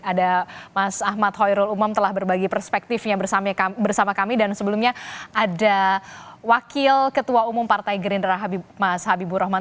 ada mas ahmad hoirul umam telah berbagi perspektifnya bersama kami dan sebelumnya ada wakil ketua umum partai gerindra mas habibur rahman